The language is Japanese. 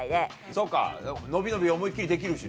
そっか伸び伸び思いっ切りできるしな。